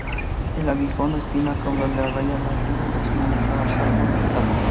El aguijón o espina caudal de la raya látigo es una aleta dorsal modificada.